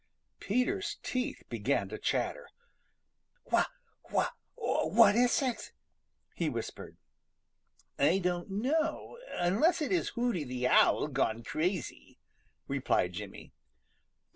Peter's teeth began to chatter. "Wha wha what is it?" he whispered. "I don't know, unless it is Hooty the Owl gone crazy," replied Jimmy.